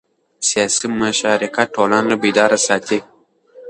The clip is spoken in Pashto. سیاسي مشارکت ټولنه بیداره ساتي